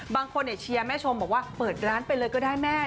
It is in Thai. บางคนเชียร์แม่ชมบอกว่าเปิดร้านไปเลยก็ได้แม่